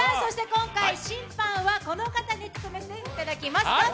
今回審判はこの方に務めていただきます。